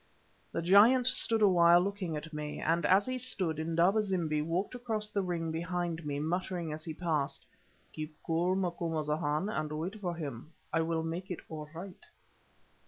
The giant stood awhile looking at me, and, as he stood, Indaba zimbi walked across the ring behind me, muttering as he passed, "Keep cool, Macumazahn, and wait for him. I will make it all right."